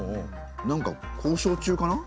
なんか交渉中かな？